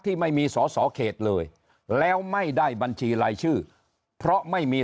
ที่ไม่มีสอสอเขตเลยแล้วไม่ได้บัญชีรายชื่อเพราะไม่มี